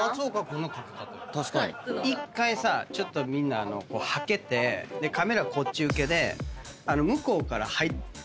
１回さちょっとみんなはけてカメラこっち受けで向こうから入ってくるの２人撮ろうか。